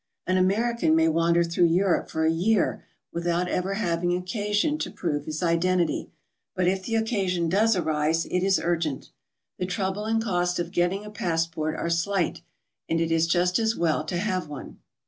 An American may wander through Europe for a year without ever having occasion to prove his identity, but if the occasion does arise, it is urgent. The trouble and cost of getting a passport are slig^ht, and it is just as well to have one.